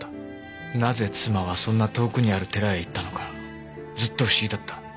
なぜ妻はそんな遠くにある寺へ行ったのかずっと不思議だった。